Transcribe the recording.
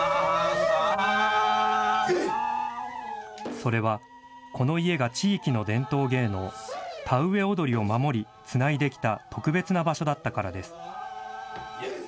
それはこの家が地域の伝統芸能、田植踊を守り、つないできた特別な場所だったからです。